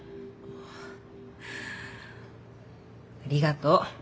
ありがとう。